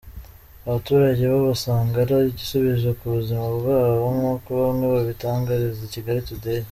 Abaturage bo basanga ari igisubizo ku buzima bwabo nk’uko bamwe babitangariza Kigail Today.